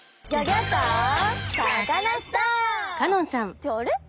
ってあれ？